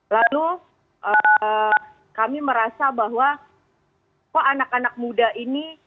lalu kami merasa bahwa kok anak anak muda ini